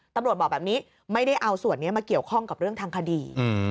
ตำรวจบอกแบบนี้ไม่ได้เอาส่วนนี้มาเกี่ยวข้องกับเรื่องทางคดี